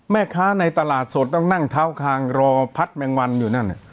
แม่ค้าในตลาดสดต้องนั่งเท้าคางรอพัดแมงวันอยู่นั่น